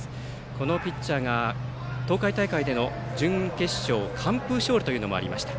このピッチャーが東海大会の準決勝での完封勝利というのもありました。